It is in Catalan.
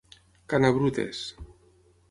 Ca na Brutes.